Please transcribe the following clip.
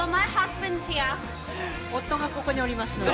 ◆夫がここにおりますので。